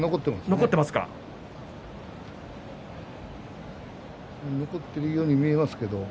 残っているように見えますけれども。